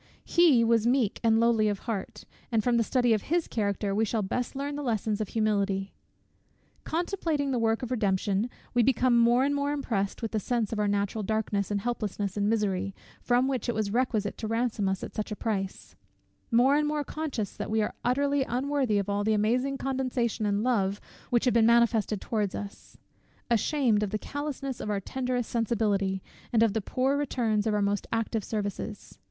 He was meek and lowly of heart, and from the study of his character we shall best learn the lessons of humility. Contemplating the work of Redemption, we become more and more impressed with the sense of our natural darkness, and helplessness, and misery, from which it was requisite to ransom us at such a price; more and more conscious that we are utterly unworthy of all the amazing condescension and love which have been manifested towards us; ashamed of the callousness of our tenderest sensibility, and of the poor returns of our most active services.